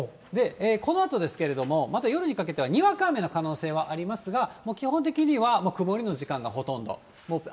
このあとですけれども、また夜にかけてはにわか雨の可能性はありますが、基本的には曇りの時間がほとんど。